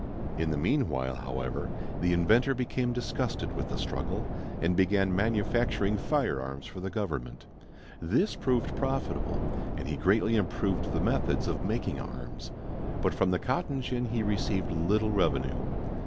In the meanwhile, however, the inventor became disgusted with the struggle and began manufacturing firearms for the government. This proved profitable, and he greatly improved the methods of making arms. But from the cotton gin he received little revenue.